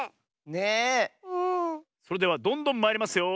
それではどんどんまいりますよ。